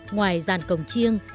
ngoài giàn cổng chiêng